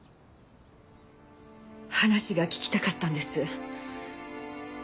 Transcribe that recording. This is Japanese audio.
話が聞きたかったんです。